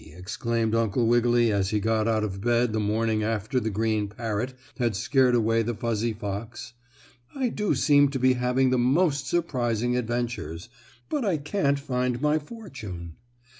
exclaimed Uncle Wiggily as he got out of bed the morning after the green parrot had scared away the fuzzy fox, "I do seem to be having the most surprising adventures, but I can't find my fortune.